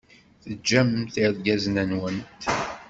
Teǧǧamt irgazen-nwent.